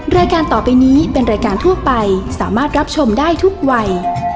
รายการต่อไปนี้เป็นรายการทั่วไปสามารถรับชมได้ทุกวัย